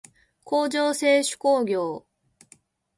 工場制手工業